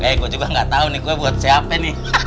eh gue juga gak tau nih gue buat siapa nih